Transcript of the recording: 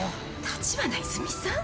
立花泉さん？